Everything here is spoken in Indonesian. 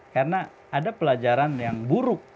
karena ada pelajaran yang buruk